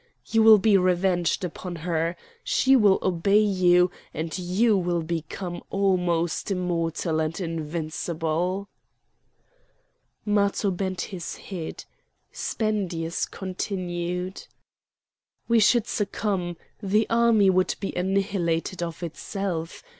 You will be revenged upon her. She will obey you, and you will become almost immortal and invincible." Matho bent his head. Spendius continued: "We should succumb; the army would be annihilated of itself.